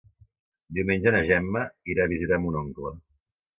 Diumenge na Gemma irà a visitar mon oncle.